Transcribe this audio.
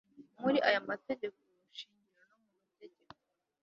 muri aya mategeko shingiro no mu mategeko